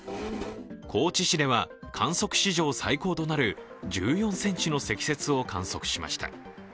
高知市では観測史上最高となる１４ｃｍの積雪を観測しました。